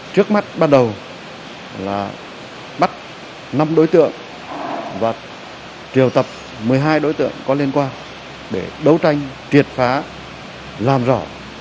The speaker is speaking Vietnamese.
trước mắt ban đầu là bắt năm đối tượng và triều tập một mươi hai đối tượng có liên quan để đấu tranh triệt phá làm rõ